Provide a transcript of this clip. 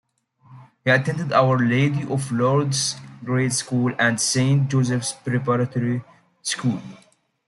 He attended Our Lady of Lourdes Grade School and Saint Joseph's Preparatory School.